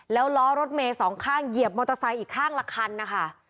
แล้วล้อรถเมย์สองข้างเหยียบมอเตอร์ไซค์อีกข้างละคันนะคะ